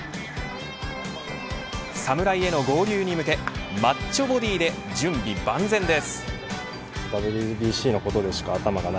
侍への合流に向けマッチョボディーで準備万全です。